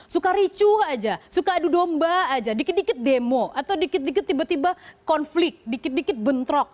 suka ricuh aja suka adu domba aja dikit dikit demo atau dikit dikit tiba tiba konflik dikit dikit bentrok